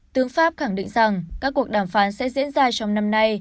tướng pháp khẳng định rằng các cuộc đàm phán sẽ diễn ra trong năm nay